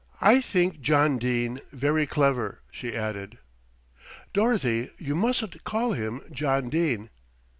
"I think John Dene very clever," she added. "Dorothy, you mustn't call him 'John Dene."